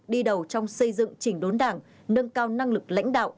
đi đầu trong xây dựng chỉnh đốn đảng nâng cao năng lực lãnh đạo